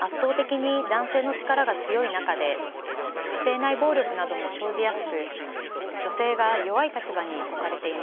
圧倒的に男性の力が強い中で家庭内暴力なども生じやすく女性が弱い立場に置かれています。